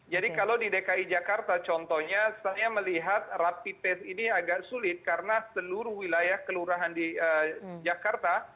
jadi kalau di dki jakarta contohnya saya melihat rapid test ini agak sulit karena seluruh wilayah kelurahan di jakarta